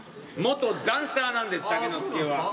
元ダンサーなんです岳之介は。